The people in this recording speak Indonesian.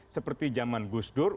seperti zaman gus dur